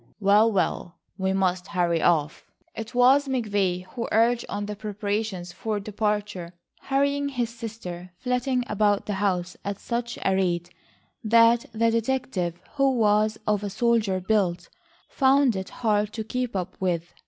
Well, well, we must hurry off." It was McVay who urged on the preparations for departure, hurrying his sister, flitting about the house at such a rate that the detective, who was of a solider build, found it hard to keep up with.